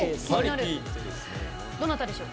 どなたでしょう。